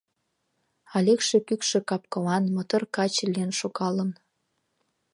Аликше кӱкшӧ кап-кылан, мотор каче лийын шогалын.